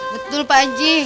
betul pak haji